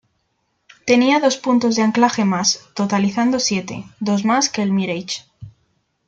Tenía dos puntos de anclaje más, totalizando siete —dos más que el Mirage—.